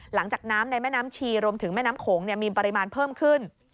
หลังจากน้ำในแม่น้ำชีรวมถึงแม่น้ำโขงมีปริมาณเพิ่มขึ้น